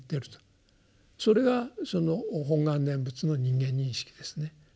それがその本願念仏の人間認識ですね。